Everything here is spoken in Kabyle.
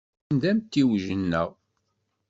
Win d amtiweg-nneɣ.